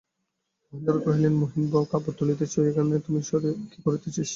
মহেন্দ্রকে কহিলেন, মহিন, বউ কাপড় তুলিতেছে, তুই ওখানে বসিয়া কী করিতেছিস।